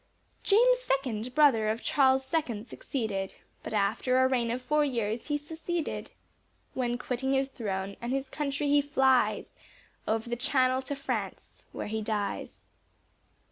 James second, brother of Charles second succeeded, But after a reign of four years, he seceded; When quitting his throne, and his country he flies Over the channel to France, where he dies.